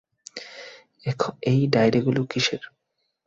এই ডায়েরিগুলো কিসের?